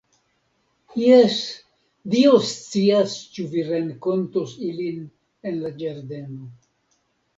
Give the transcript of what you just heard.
Jes, Dio scias ĉu vi renkontos ilin en la ĝardeno.